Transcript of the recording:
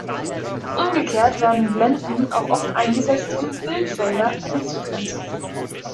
Umgekehrt werden Blenden auch oft eingesetzt, um Bildfelder einzugrenzen.